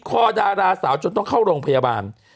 คอดาราสาวจนต้องเข้าโรงพยาบาล